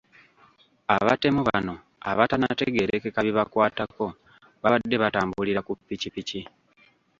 Abatemu bano abatannategeerekeka bibakwatako babadde batambulira ku ppikipiki.